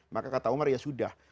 maka umar ya sudah